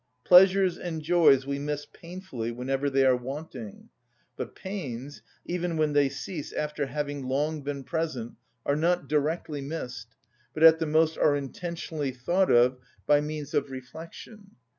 Pleasures and joys we miss painfully whenever they are wanting; but pains, even when they cease after having long been present, are not directly missed, but at the most are intentionally thought of by means of reflection.